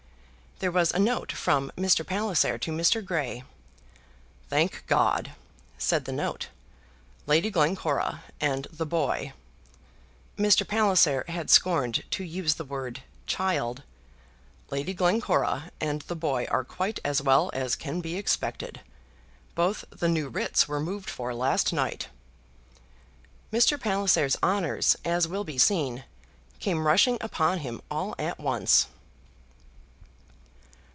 There was a note from Mr. Palliser to Mr. Grey. "Thank God!" said the note, "Lady Glencora and the boy" Mr. Palliser had scorned to use the word child "Lady Glencora and the boy are quite as well as can be expected. Both the new writs were moved for last night." Mr. Palliser's honours, as will be seen, came rushing upon him all at once.